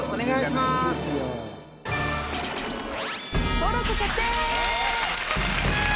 登録決定！